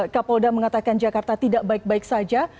kapolda mengatakan jakarta tidak baik baik saja